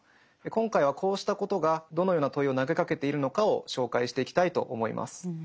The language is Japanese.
今回はこうしたことがどのような問いを投げかけているのかを紹介していきたいと思います。